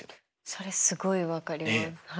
それすごい分かります。